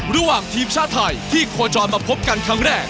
ระหว่างทีมชาติไทยที่โคจรมาพบกันครั้งแรก